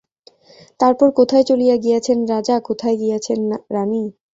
তারপর কোথায় চলিয়া গিয়াছেন রাজা, কোথায় গিয়াছেন রানী!